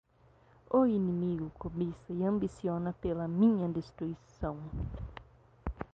O inimigo cobiça e ambiciona pela minha destruição